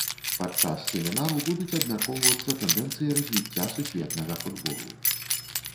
Падчас семінару будуць абмяркоўвацца тэндэнцыі развіцця сусветнага футболу.